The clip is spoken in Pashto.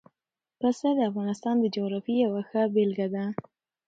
پسه د افغانستان د جغرافیې یوه ښه بېلګه ده.